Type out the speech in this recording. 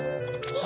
え！